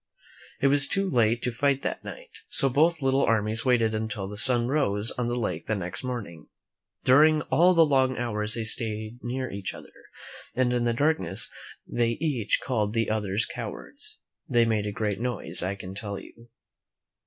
It was too late to fight that night, so both little armies waited until the sun rose on the lake the next morning. During all the long hours they stayed near each other, and in the darkness they each called the others cowards. They made a great noise, I can tell you.